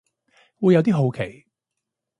會有啲好奇